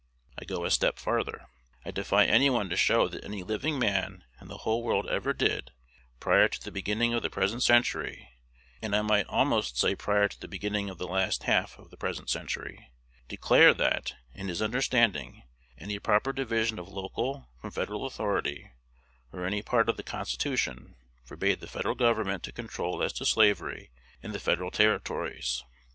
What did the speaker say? I go a step farther. I defy any one to show that any living man in the whole world ever did, prior to the beginning of the present century (and I might almost say prior to the beginning of the last half of the present century), declare, that, in his understanding, any proper division of local from Federal authority, or any part of the Constitution, forbade the Federal Government to control as to slavery in the Federal Territories.